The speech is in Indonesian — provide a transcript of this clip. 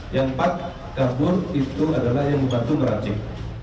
yang empat karbon itu adalah yang membantu meracik